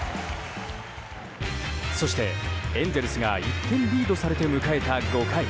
そして、エンゼルスが１点リードされて迎えた５回。